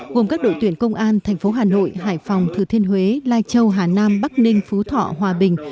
gồm các đội tuyển công an tp hà nội hải phòng thứ thiên huế lai châu hà nam bắc ninh phú thọ hòa bình